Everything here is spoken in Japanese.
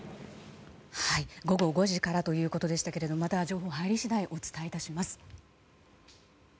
午後５時からということでしたがまた情報が入り次第お伝えいたします。